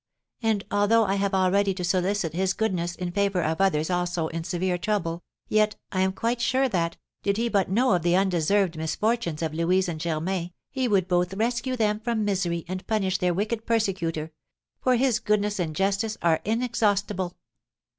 And, although I have already to solicit his goodness in favour of others also in severe trouble, yet, I am quite sure that, did he but know of the undeserved misfortunes of Louise and Germain, he would both rescue them from misery and punish their wicked persecutor; for his goodness and justice are inexhaustible."